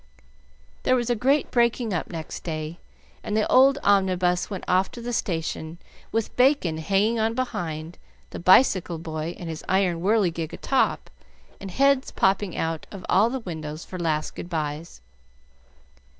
There was a great breaking up next day, and the old omnibus went off to the station with Bacon hanging on behind, the bicycle boy and his iron whirligig atop, and heads popping out of all the windows for last good byes.